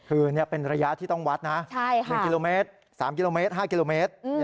คือเป็นระยะที่ต้องวัดนะ๑กิโลเมตร๓กิโลเมตร๕กิโลเมตร